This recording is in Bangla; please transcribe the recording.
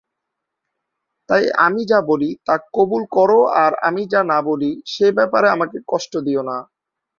তাই আমি যা বলি, তা কবুল কর আর আমি যা না বলি, সে ব্যাপারে আমাকে কষ্ট দিও না।